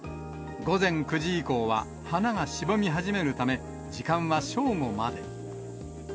午前９時以降は花がしぼみ始めるため、時間は正午まで。